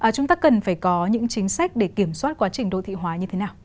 chúng ta cần phải có những chính sách để kiểm soát quá trình đô thị hóa như thế nào